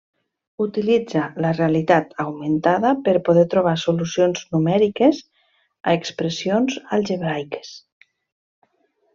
Utilitza la realitat augmentada per poder trobar solucions numèriques a expressions algebraiques.